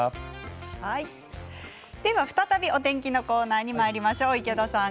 再びお天気のコーナーにまいりましょう池田さん